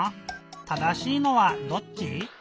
正しいのはどっち？